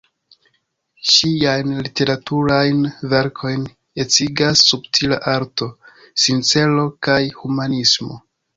Ŝiajn literaturajn verkojn ecigas subtila arto, sincero kaj humanismo.